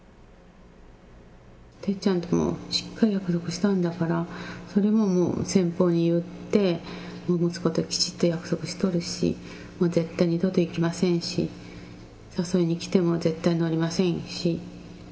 てっちゃんとしっかり約束したんだから、それをもう先方に言って、もう息子ときちっと約束しとるし、もう絶対二度と行きませんし、誘いに来ても絶対乗りませんし。